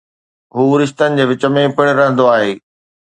هو رشتن جي وچ ۾ پڻ رهندو آهي.